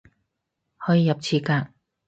可以入廁格